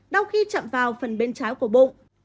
đau khi chạm vào phần bên trái của bụng